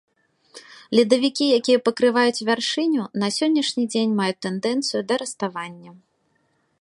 Ледавікі, якія пакрываюць вяршыню, на сённяшні дзень маюць тэндэнцыю да раставання.